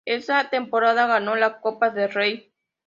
Esa temporada ganó la Copa del Rey.